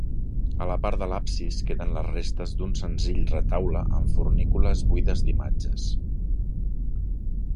A la part de l'absis queden les restes d'un senzill retaule amb fornícules buides d'imatges.